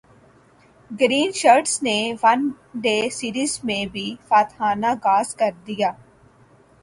green Shirts نے one day series میں بھی فاتحانہ غاز کر دیا